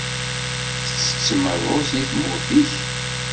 Tettettem rruẓ deg tmurt-ik?